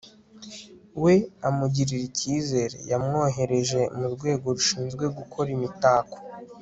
we amugirira ikizere. yamwohereje mu rwego rushinzwe gukora imitako